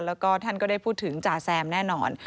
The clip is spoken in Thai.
แล้วก็ท่านก็ได้พูดถึงจ่าแซมแน่นอน